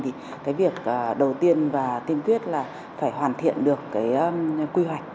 thì việc đầu tiên và tiêm quyết là phải hoàn thiện được quy hoạch